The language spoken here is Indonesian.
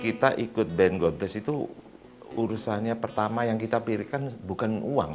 kami mengikuti band god bless karena urusannya pertama yang kami pilih bukan uang